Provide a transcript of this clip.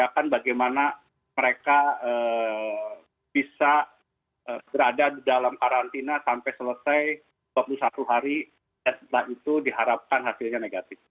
dan ini juga mengatakan bagaimana mereka bisa berada dalam karantina sampai selesai dua puluh satu hari setelah itu diharapkan hasilnya negatif